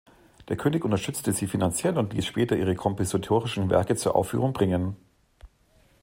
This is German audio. Der König unterstützte sie finanziell und ließ später ihre kompositorischen Werke zur Aufführung bringen.